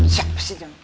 siap siap siap